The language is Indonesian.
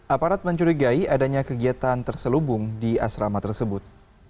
aparat mencurigai adanya kegiatan terselubung di asrama tersebut